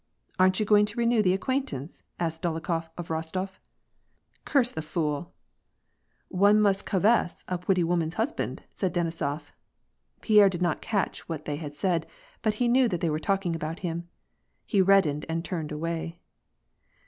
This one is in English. " Aren't you going to renew the acquain tance ?" asked Dolokhof of Rostof . "Curse the fool I"* " One must oawess a pwetty woman's husband," said Denisof. Pierre did not catch what they said, but he knew that they were talking about him. He reddened, and turned away.